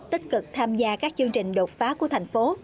tích cực tham gia các chương trình đột phá của thành phố